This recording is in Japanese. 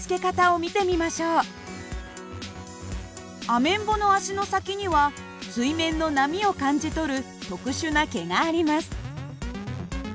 アメンボの足の先には水面の波を感じ取る特殊な毛があります。